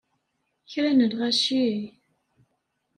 Kra n lɣaci!